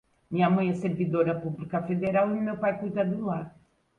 Minha mãe é servidora pública federal e meu pai cuida do lar